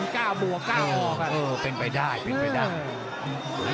กล้าบัวกล้าออกเป็นไปได้เป็นไปได้